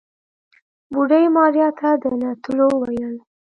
بوډۍ ماريا ته د نه تلو وويل.